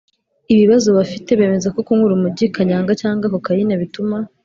ibibazo bafite. bemeza ko kunywa urumogi, kanyanga cyangwa kokayine bituma